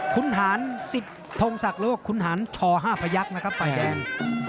คุณหารสิทธงศักดิ์หรือว่าคุณหารช๕พยักษ์นะครับฝ่ายแดง